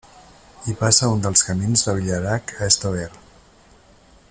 Hi passa un dels camins de Villerac a Estoer.